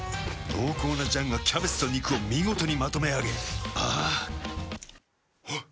濃厚な醤がキャベツと肉を見事にまとめあげあぁあっ。